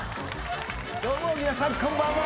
どうも皆さんこんばんは。